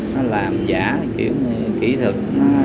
nó làm giả kiểu kỹ thực